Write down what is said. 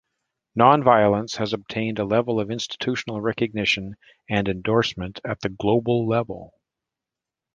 Nonviolence has obtained a level of institutional recognition and endorsement at the global level.